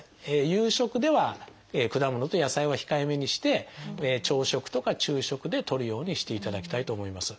夕食では果物と野菜は控えめにして朝食とか昼食でとるようにしていただきたいと思います。